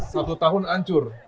satu tahun ancur